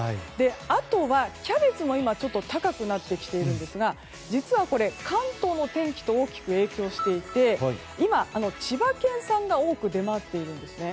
あとはキャベツも今ちょっと高くなってきているんですが実は、関東の天気と大きく影響していて今、千葉県産が多く出回っているんですね。